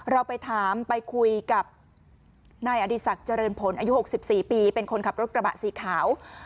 เราไปถามไปคุยกับนายอดีศักดิ์เจริญผลอายุ๖๔ปีเป็นคนขับรถกระบะสีขาว